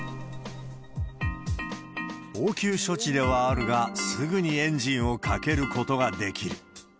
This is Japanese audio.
応急処置ではあるが、すぐにエンジンをかけることができる。